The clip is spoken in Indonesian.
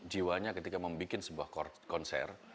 jiwanya ketika membuat sebuah konser